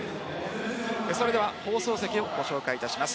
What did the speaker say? それでは放送席をご紹介します。